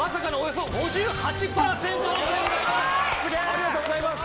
ありがとうございます！